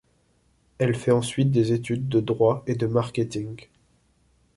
Elle fait ensuite des études de droit et de marketing.